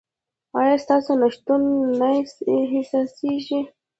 ایا ستاسو نشتون نه احساسیږي؟